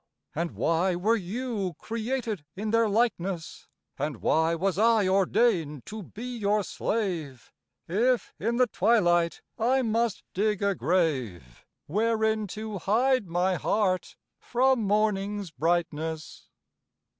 And why were you created in their likeness, And why was I ordained to be your slave, If in the twilight I must dig a grave, Wherein to hide my heart from morning's brightness?